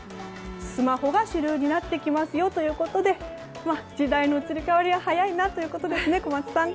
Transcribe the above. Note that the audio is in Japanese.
スマホが主流になってきますよということで時代の移り変わりは早いなということですね。